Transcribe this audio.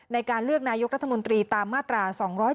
ในการเลือกนายกรัฐมนตรีตามมาตรา๒๗